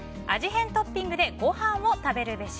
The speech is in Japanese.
変トッピングでごはんを食べるべし。